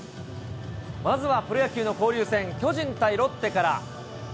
まずはプロ野球の交流戦、巨人対ロッテから。